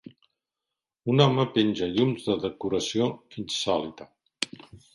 Un home penja llums de decoració insòlita.